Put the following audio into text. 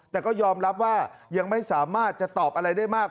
แต่ก็ยอมรับว่ายังไม่สามารถจะตอบอะไรได้มาก